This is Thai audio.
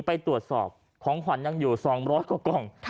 ไปตรวจสอบของขวัญยังอยู่๒๐๐กว่ากล่อง